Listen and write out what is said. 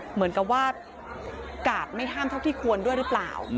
เหมือนกับว่ากาดไม่ห้ามเท่าที่ควรด้วยหรือเปล่า